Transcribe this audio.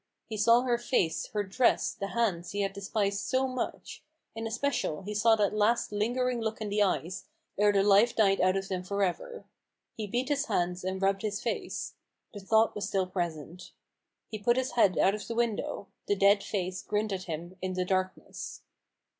He saw her face, her dress, the hands he had despised so much ; in especial, he saw that last lingering look in the eyes, ere the life died out of them for ever. He beat his hands and rubbed his face — the thought was still present. He put his head out of the window ; the dead face grinned at him in the darkness.